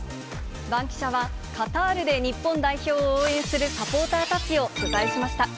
バンキシャは、カタールで日本代表を応援するサポーターたちを取材しました。